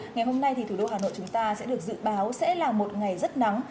ngày hôm nay thì thủ đô hà nội chúng ta sẽ được dự báo sẽ là một ngày rất nắng